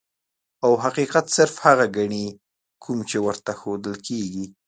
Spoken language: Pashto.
او حقيقت صرف هغه ګڼي کوم چې ورته ښودلے کيږي -